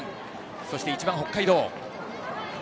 そして１番、北海道。